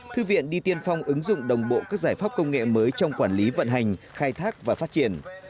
thư viện đi tiên phong ứng dụng đồng bộ các giải pháp công nghệ mới trong quản lý vận hành khai thác và phát triển